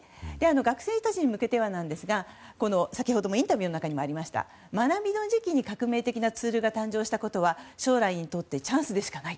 学生たちに向けては何ですが先ほどのインタビューの中にもありました学びの時期に革命的なツールが誕生したことは将来にとってチャンスでしかない。